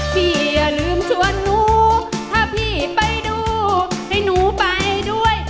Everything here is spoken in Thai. อย่าลืมชวนหนูถ้าพี่ไปดูให้หนูไปด้วย